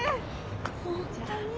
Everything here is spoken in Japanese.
本当に？